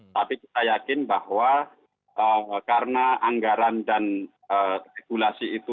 tapi kita yakin bahwa karena anggaran dan regulasi itu